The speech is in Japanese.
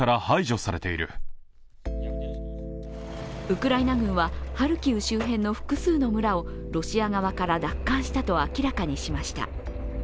ウクライナ軍は、ハルキウ周辺の複数の村をロシア側から奪還したと明らかにしました。